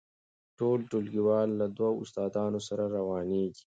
ټول ټولګیوال له دوو استادانو سره روانیږي.